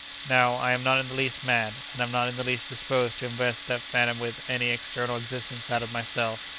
Now, I am not in the least mad, and am not in the least disposed to invest that phantom with any external existence out of myself.